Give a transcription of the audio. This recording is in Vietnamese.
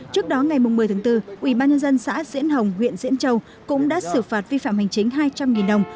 trước đó ngày một mươi tháng bốn ubnd xã diễn hồng huyện diễn châu cũng đã xử phạt vi phạm hành chính hai trăm linh đồng